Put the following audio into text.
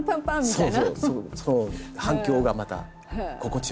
そうそう。